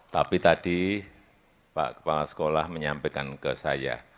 tapi tadi pak kepala sekolah menyampaikan ke saya